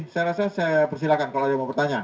saya rasa saya persilahkan kalau ada yang mau bertanya